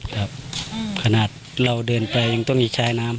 ครับขนาดเราเดินไปยังต้องมีชายน้ำ